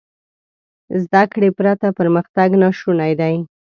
زده کړې پرته پرمختګ ناشونی دی.